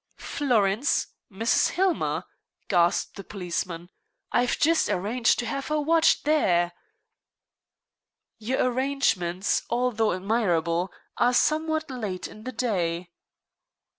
"Florence! Mrs. Hillmer!" gasped the policeman. "I've just arranged to have her watched there." "Your arrangements, though admirable, are somewhat late in the day."